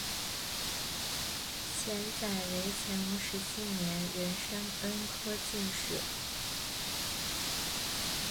钱载为乾隆十七年壬申恩科进士。